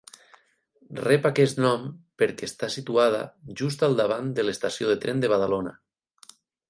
Rep aquest nom perquè està situada just al davant de l'estació de tren de Badalona.